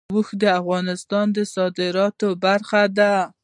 اوښ د افغانستان د صادراتو برخه ده.